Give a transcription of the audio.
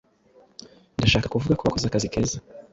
Ndashaka kuvuga ko wakoze akazi keza.